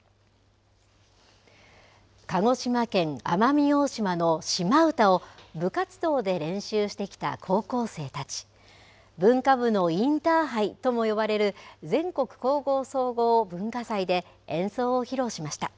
鹿児島県、奄美大島のシマ唄を活動で練習してきた高校生たち文化部のインターハイとも呼ばれる全国高校総合文化祭で演奏を披露しました。